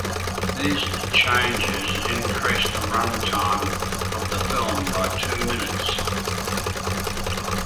These changes increased the run time of the film by two minutes.